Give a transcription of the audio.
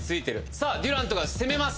さあ、デュラントが攻めます。